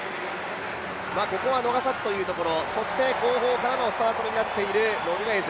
ここは逃さずということそして後方からのスタートになっているノルウェー勢。